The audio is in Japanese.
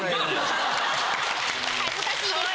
恥ずかしいです。